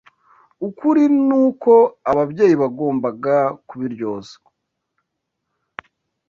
Ukuri nuko ababyeyi bagombaga kubiryozwa.